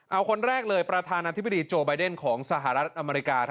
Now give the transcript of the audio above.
เอาคนแรกเลยประธานาธิบดีโจไบเดนของสหรัฐอเมริกา